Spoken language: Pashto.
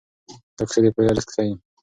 دا کیسه د پوهې ارزښت ښيي.